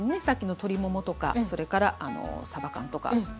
さっきの鶏ももとかそれからさば缶とか。